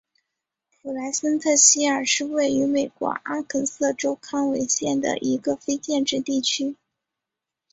普莱森特希尔是位于美国阿肯色州康韦县的一个非建制地区。